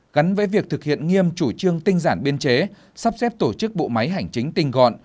gắn với việc thực hiện nghiêm chủ trương tinh giản biên chế sắp xếp tổ chức bộ máy hành chính tinh gọn